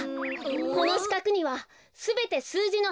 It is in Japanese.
このしかくにはすべてすうじの８がはいります。